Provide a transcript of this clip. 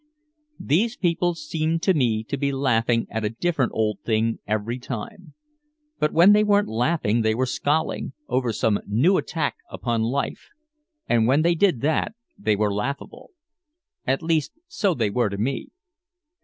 These people seemed to me to be laughing at a different old thing every time. But when they weren't laughing they were scowling, over some new attack upon life and when they did that they were laughable. At least so they were to me.